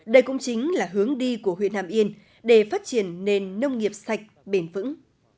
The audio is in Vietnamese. đây cũng chính là hướng đi của huyện hàm yên để phát triển nền nông nghiệp sạch bền vững